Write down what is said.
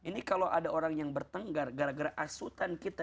ini kalau ada orang yang bertenggar gara gara asutan kita